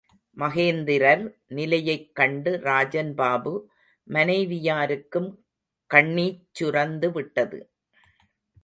மகேந்திரர் நிலையைக் கண்டு ராஜன் பாபு மனைவியாருக்கும் கண்ணீச் சுரந்துவிட்டது.